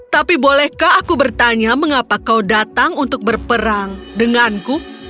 tapi bolehkah aku bertanya mengapa kau datang untuk berperang denganku